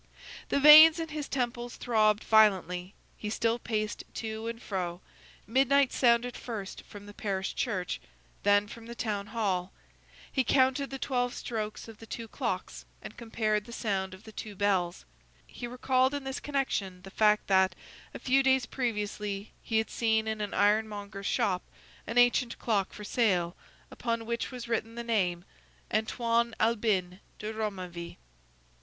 The veins in his temples throbbed violently; he still paced to and fro; midnight sounded first from the parish church, then from the town hall; he counted the twelve strokes of the two clocks, and compared the sounds of the two bells; he recalled in this connection the fact that, a few days previously, he had seen in an ironmonger's shop an ancient clock for sale, upon which was written the name, Antoine Albin de Romainville.